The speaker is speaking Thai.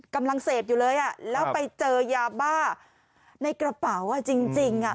กำลังเสพอยู่เลยอ่ะแล้วไปเจอยาบ้าในกระเป๋าจริง